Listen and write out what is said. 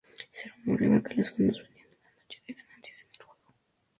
Se rumoreaba que los fondos venían de una noche de ganancias en el juego.